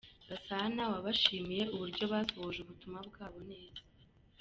Gasana, wabashimiye uburyo basohoje ubutumwa bwabo neza.